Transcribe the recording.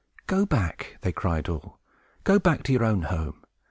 "Go back," cried they all, "go back to your own home!